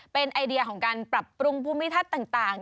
เป็นไอเดียของการปรับปรุงภูมิทัศน์ต่าง